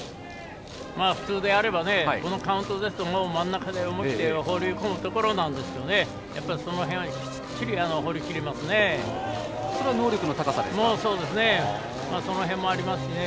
普通であればこのカウントですともう、真ん中に思い切り放り込むところですがその辺はきっちり放りきりますね。